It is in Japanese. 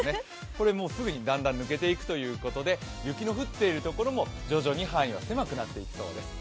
これもう既にだんだん抜けていくということで雪の降っている所も徐々に範囲が狭くなっていきます。